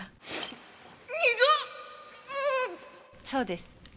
そうです。